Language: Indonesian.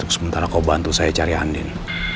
sementara kau bantu saya cari andin